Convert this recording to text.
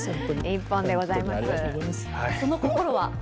その心は？